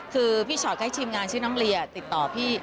คือพี่ชอตก็ให้ทีมงานชื่อน้องเลียติดต่อพี่